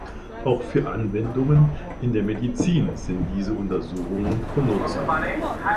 Auch für Anwendungen in der Medizin sind diese Untersuchungen von Nutzen.